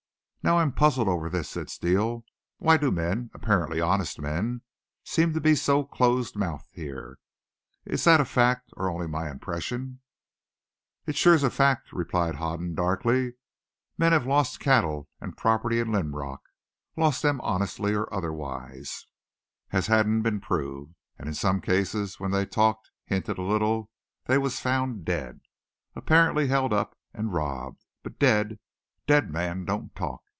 "Now, I'm puzzled over this," said Steele. "Why do men, apparently honest men, seem to be so close mouthed here? Is that a fact or only my impression?" "It's sure a fact," replied Hoden darkly. "Men have lost cattle an' property in Linrock lost them honestly or otherwise, as hasn't been proved. An' in some cases when they talked hinted a little they was found dead. Apparently held up an' robbed. But dead. Dead men don't talk.